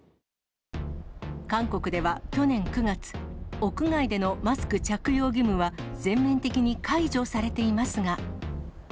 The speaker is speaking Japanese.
韓国では去年９月、屋外でのマスク着用義務は全面的に解除されていますが。